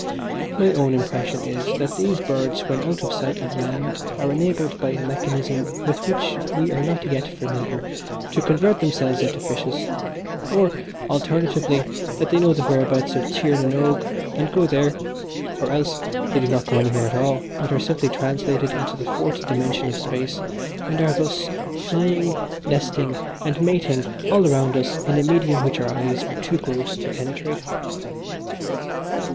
My own impression is, that these birds when out of sight of land are enabled by a mechanism with which we are not yet familiar, to convert themselves into fishes, or, alternatively, that they know the whereabouts of Tir na n Og and go there, or else that they do not go anywhere at all but are simply translated into the Fourth Dimension of Space, and are, thus, flying, nesting and mating all around us in a medium which our eyes are too gross to penetrate.